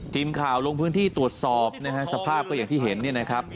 ทีมข่าวลงพื้นที่ตรวจสอบนะฮะสภาพก็อย่างที่เห็นเนี่ยนะครับ